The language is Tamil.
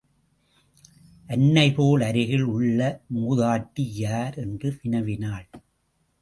அன்னைபோல் அருகில் உள்ள மூதாட்டி யார்? என்று வினவினாள்.